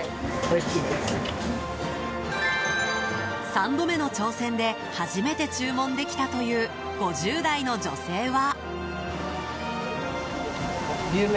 ３度目の挑戦で初めて注文できたという５０代の女性は。